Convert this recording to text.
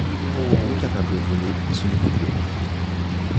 Il est capable voler et se nourrit peu.